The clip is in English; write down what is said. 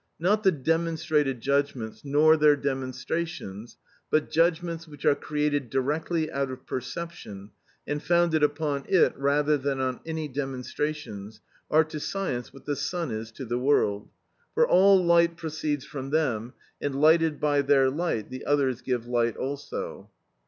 Not the demonstrated judgments nor their demonstrations, but judgments which are created directly out of perception, and founded upon it rather than on any demonstrations, are to science what the sun is to the world; for all light proceeds from them, and lighted by their light the others give light also.